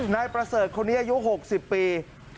นายประเสริฐคนนี้อายุ๖๐ปี